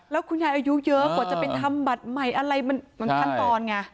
แล้วคุณยายอายุเยอะกว่าจะเป็นทำบัตรใหม่อะไรมันขั้นตอนไง